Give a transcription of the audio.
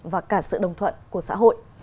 và cả sự đồng thuận của xã hội